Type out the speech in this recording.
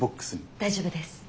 大丈夫です。